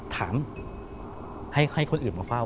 ถามให้คนอื่นมาฟ่าว